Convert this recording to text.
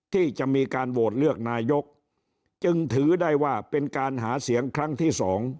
ที่จะมีการโหวตเลือกนายกจึงถือได้ว่าเป็นการหาเสียงครั้งที่๒